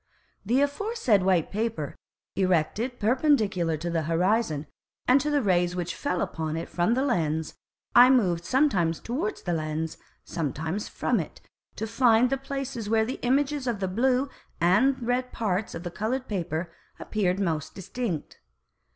The aforesaid white Paper, erected perpendicular to the Horizon, and to the Rays which fell upon it from the Lens, I moved sometimes towards the Lens, sometimes from it, to find the Places where the Images of the blue and red Parts of the coloured Paper appeared most distinct.